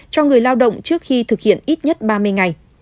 cho người lao động trước khi thực hiện ít nhất ba mươi ngày